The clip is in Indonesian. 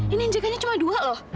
ini injekannya cuma dua loh